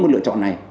bốn môn lựa chọn này